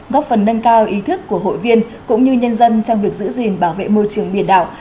góp phần nâng cao ý thức của hội viên cũng như nhân dân trong việc giữ gìn bảo vệ môi trường biển đảo